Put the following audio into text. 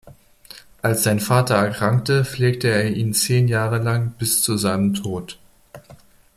Als sein Vater erkrankte, pflegte er ihn zehn Jahre lang bis zu seinem Tod.